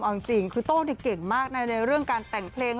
เอาจริงคือโต้เก่งมากในเรื่องการแต่งเพลง